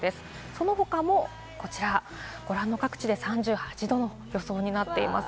その他もこちら、ご覧の各地で３８度の予想になっています。